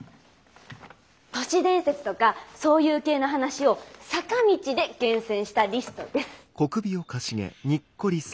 都市伝説とかそういう系の話を「坂道」で厳選したリストです。